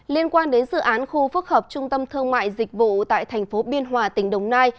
liên quan đến dự án khu phức hợp trung tâm thương mại dịch vụ tại thành phố biên hòa tỉnh đồng nai